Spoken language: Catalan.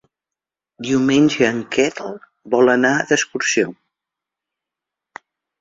Diumenge en Quel vol anar d'excursió.